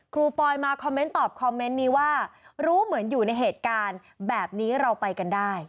ปอยมาคอมเมนต์ตอบคอมเมนต์นี้ว่ารู้เหมือนอยู่ในเหตุการณ์แบบนี้เราไปกันได้